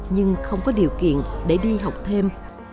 nhưng không có điều kiện để đi học thêm